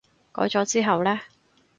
改咗之後呢？